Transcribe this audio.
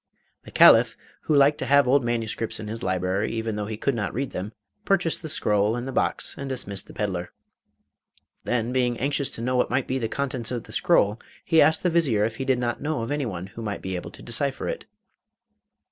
The Caliph, who liked to have old manuscripts in his library, even though he could not read them, purchased the scroll and the box, and dismissed the pedlar. Then, being anxious to know what might be the contents of the scroll, he asked the Vizier if he did not know of anyone who might be able to decipher it.